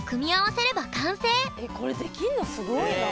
えっこれできんのすごいな。